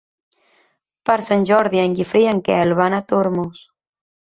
Per Sant Jordi en Guifré i en Quel van a Tormos.